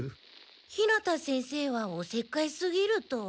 日向先生はおせっかいすぎると？